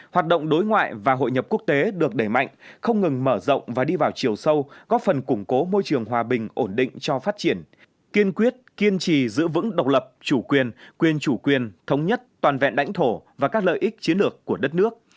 hoạt động đối ngoại và hội nhập quốc tế được đẩy mạnh không ngừng mở rộng và đi vào chiều sâu góp phần củng cố môi trường hòa bình ổn định cho phát triển kiên quyết kiên trì giữ vững độc lập chủ quyền quyền chủ quyền thống nhất toàn vẹn lãnh thổ và các lợi ích chiến lược của đất nước